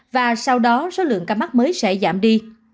và sau đó số lượng ca mắc mới sẽ giảm đi